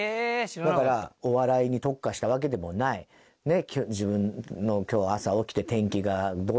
だからお笑いに特化したわけでもない自分の今日朝起きて天気がどうだったとか。